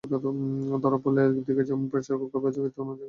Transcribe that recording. ধরা পড়লে একদিকে যেমন প্রেশার কুকার বাজেয়াপ্ত হবে, জরিমানাও গোনা লাগতে পারে।